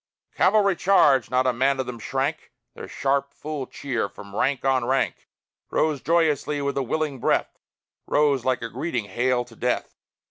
"Cavalry, charge!" Not a man of them shrank. Their sharp, full cheer, from rank on rank, Rose joyously, with a willing breath, Rose like a greeting hail to death.